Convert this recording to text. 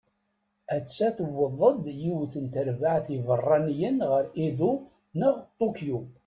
Atta tewweḍ-d yiwet n terbaεt ibeṛṛaniyen ɣer Edo, neɣ Ṭukyu.